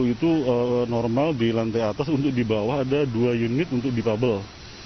lima ratus dua puluh itu normal di lantai atas untuk di bawah ada dua unit untuk di bubble